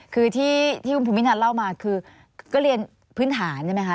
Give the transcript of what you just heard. คือที่คุณภูมินันเล่ามาคือก็เรียนพื้นฐานใช่ไหมคะ